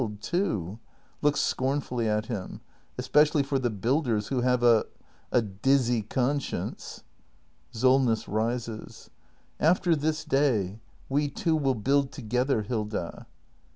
And so easy to build, too — [looks scornfully at him] — especially for the builders who have a — a dizzy conscience. i Solness. [Rises.] After this day we two will build together, Hilda.